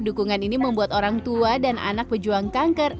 dukungan ini membuat orang tua dan anak pejuang kanker